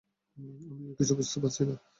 আমিও কিছু বুঝতে পারছি না!